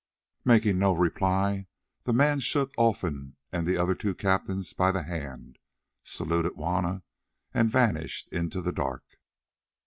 Making no reply, the man shook Olfan and the other two captains by the hand, saluted Juanna, and vanished into the darkness.